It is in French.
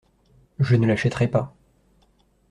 Je ne l’achèterai pas.